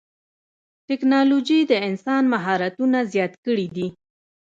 ټکنالوجي د انسان مهارتونه زیات کړي دي.